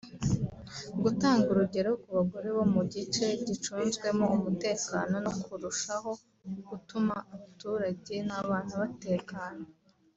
gutanga urugero ku bagore bo mu gice gicunzwemo umutekano no kurushaho gutuma abaturage n’abana batekana